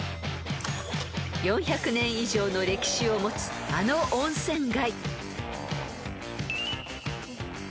［４００年以上の歴史を持つあの温泉街］